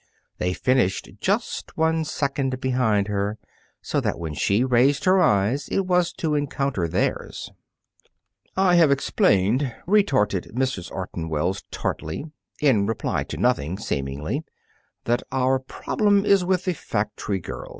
They finished just one second behind her, so that when she raised her eyes it was to encounter theirs. "I have explained," retorted Mrs. Orton Wells, tartly, in reply to nothing, seemingly, "that our problem is with the factory girl.